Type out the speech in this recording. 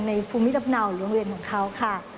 ภูมิลำเนาโรงเรียนของเขาค่ะ